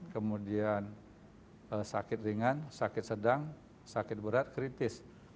kemudian sakit ringan sakit sedang sakit berat kritis